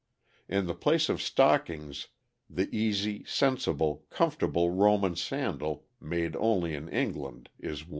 In the place of stockings the easy, sensible, comfortable Roman sandal, made only in England, is worn.